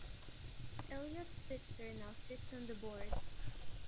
Eliot Spitzer now sits on the board.